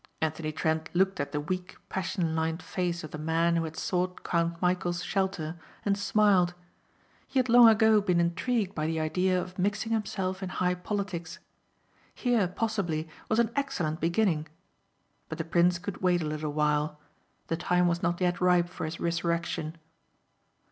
Anthony Trent looked at the weak, passion lined face of the man who had sought Count Michæl's shelter and smiled. He had long ago been intrigued by the idea of mixing himself in high politics. Here, possibly, was an excellent beginning. But the prince could wait a little while. The time was not yet ripe for his resurrection.